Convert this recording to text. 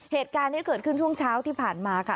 เหตุการณ์นี้เกิดขึ้นช่วงเช้าที่ผ่านมาค่ะ